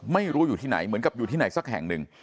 ไม่รู้อยู่ที่ไหนเหมือนกับอยู่ที่ไหนสักแห่งหนึ่ง